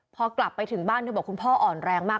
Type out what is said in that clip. พอกลับไปถึงบ้านเธอบอกคุณพ่ออ่อนแรงมาก